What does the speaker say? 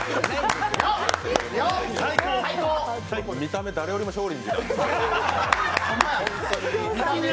見た目、誰よりも少林寺。